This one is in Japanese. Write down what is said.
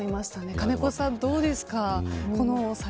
金子さん、どうですか。